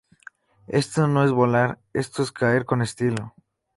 Eso no es volar. Eso es caer con estilo.